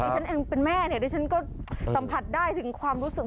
ฉันเองเป็นแม่เนี่ยดิฉันก็สัมผัสได้ถึงความรู้สึก